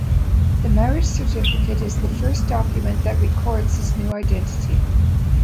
The marriage certificate is the first document that records his new identity.